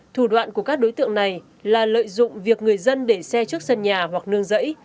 thủ đoạn của các đối tượng này là lợi dụng việc người dân để xe trước sân nhà hoặc nương rẫy